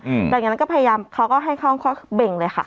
อืมแต่อย่างนั้นก็พยายามเขาก็ให้เข้าห้องคลอดเบ่งเลยค่ะ